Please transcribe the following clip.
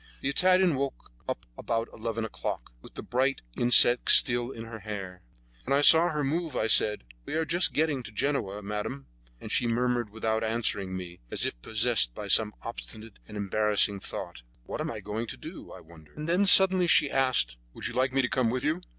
The Italian woke up about eleven o'clock, with the bright insect still in her hair. When I saw her move, I said: "We are just getting to Genoa, madame," and she murmured, without answering me, as if possessed by some obstinate and embarrassing thought: "What am I going to do, I wonder?" And then she suddenly asked: "Would you like me to come with you?"